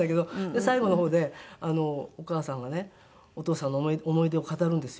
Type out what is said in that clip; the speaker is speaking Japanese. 最後の方でお母さんがねお父さんの思い出を語るんですよ。